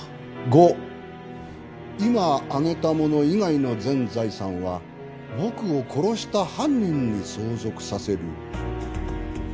「五今挙げたもの以外の全財産は僕を殺した犯人に相続させる」